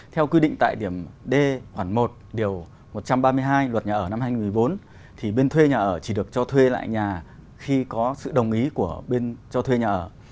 theo quy định tại điểm d khoản một điều một trăm ba mươi hai luật nhà ở năm hai nghìn một mươi bốn thì bên thuê nhà ở chỉ được cho thuê lại nhà khi có sự đồng ý của bên cho thuê nhà ở